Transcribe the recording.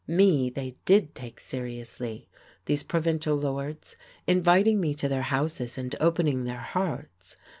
Me they did take seriously, these provincial lords, inviting me to their houses and opening their hearts.